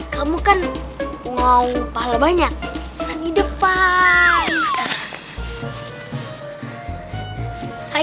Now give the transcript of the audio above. kamu kan mau banyak di depan hai